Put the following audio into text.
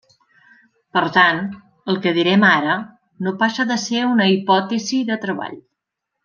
Per tant, el que direm ara no passa de ser una hipòtesi de treball.